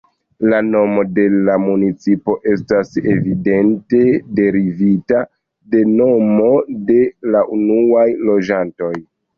La nomo de la municipo estas evidente derivita de nomo de la unuaj loĝantoj.